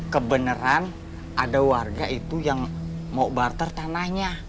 kebenaran ada warga itu yang mau barter tanahnya